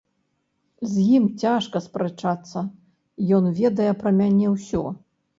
З ім цяжка спрачацца, ён ведае пра мяне ўсё.